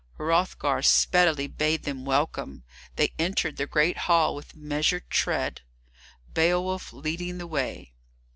Hrothgar speedily bade them welcome. They entered the great hall with measured tread, Beowulf leading the way.